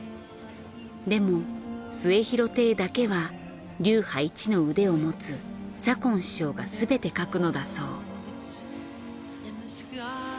でも『末廣亭』だけは流派一の腕を持つ左近師匠がすべて書くのだそう。